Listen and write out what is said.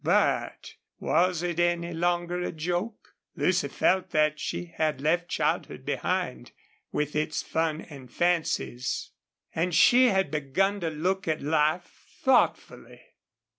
But was it any longer a joke? Lucy felt that she had left childhood behind with its fun and fancies, and she had begun to look at life thoughtfully.